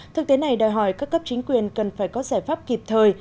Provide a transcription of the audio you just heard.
thực tế này đòi hỏi các cấp chính quyền cần phải có giải pháp kịp thời